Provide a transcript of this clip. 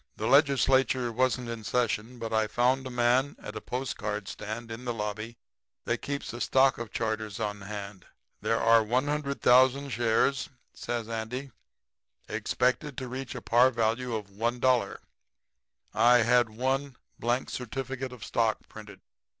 'The Legislature wasn't in session, but I found a man at a postcard stand in the lobby that kept a stock of charters on hand. There are 100,000 shares,' says Andy, 'expected to reach a par value of $1. I had one blank certificate of stock printed.'